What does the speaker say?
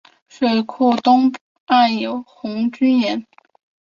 水库东岸有红军岩。